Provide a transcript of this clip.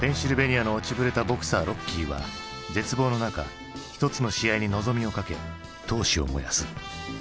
ニアの落ちぶれたボクサーロッキーは絶望の中一つの試合に望みをかけ闘志を燃やす。